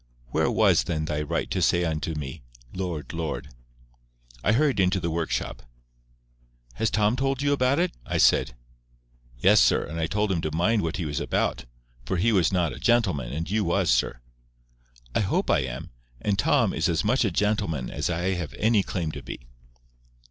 Where was then thy right to say unto me, Lord, Lord?'" I hurried into the workshop. "Has Tom told you about it?" I said. "Yes, sir. And I told him to mind what he was about; for he was not a gentleman, and you was, sir." "I hope I am. And Tom is as much a gentleman as I have any claim to be."